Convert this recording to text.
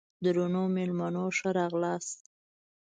درنو مېلمنو ښه راغلاست!